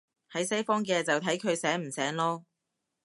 喺西方嘅，就睇佢醒唔醒囉